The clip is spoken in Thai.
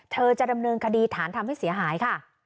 จะดำเนินคดีฐานทำให้เสียหายค่ะ